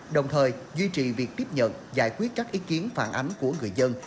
đồng thời duy trì việc tiếp nhận giải quyết các ý kiến phản ánh của người dân